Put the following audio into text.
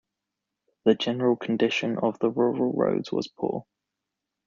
The general condition of the rural roads was poor.